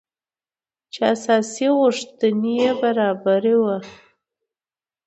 چې اساسي غوښتنې يې برابري وه .